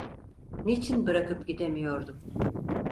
Niçin bırakıp gidemiyordum?